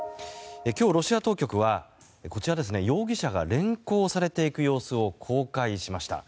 今日、ロシア当局は容疑者が連行されていく様子を公開しました。